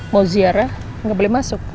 mau ziarah nggak boleh masuk